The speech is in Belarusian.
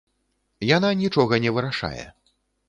Яна нічога не вырашае.